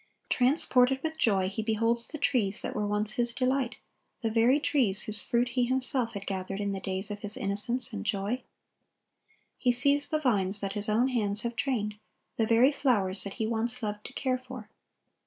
Transported with joy, he beholds the trees that were once his delight,—the very trees whose fruit he himself had gathered in the days of his innocence and joy. He sees the vines that his own hands have trained, the very flowers that he once loved to care for.